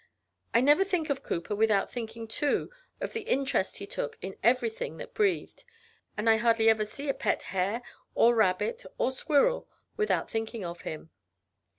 I never think of Cowper, without thinking, too, of the interest he took in every thing that breathed; and I hardly ever see a pet hare, or rabbit, or squirrel, without thinking of him.